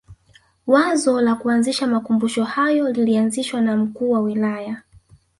Wazo la kuanzisha makumbusho hayo lilianzishwa na mkuu wa wilaya